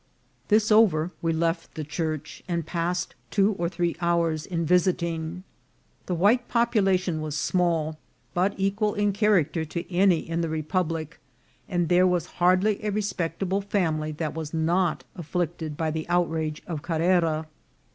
This over, we left the church, and passed two or three hours in visiting. The white population was small, but equal in character to any in the republic ; and there was hardly a respectable family that was not afflicted by the outrage of Carrera.